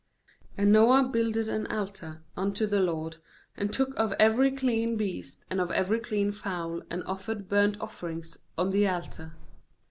20And Noah builded an altar unto the LOKD; and took of every clean beast, and of every clean fowl, and offered burnt offerings on the altar.